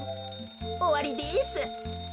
おわりです。